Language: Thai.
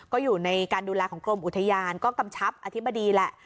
ก็อยู่ในการดูแลของกรมอุทยานก็กำชับอธิบดีแหละ